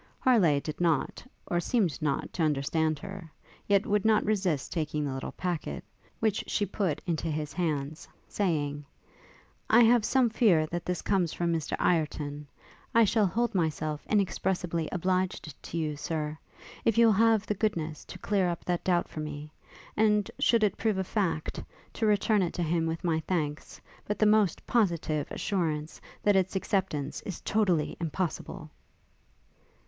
Harleigh did not, or seemed not to understand her, yet would not resist taking the little packet, which she put into his hands, saying, 'I have some fear that this comes from Mr Ireton; I shall hold myself inexpressibly obliged to you, Sir, if you will have the goodness to clear up that doubt for me; and, should it prove a fact, to return it to him with my thanks, but the most positive assurance that its acceptance is totally impossible.'